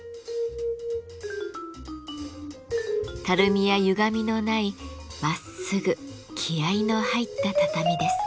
たるみやゆがみのないまっすぐ気合いの入った畳です。